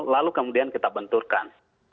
lalu kemudian kita benturkan